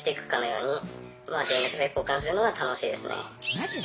マジで？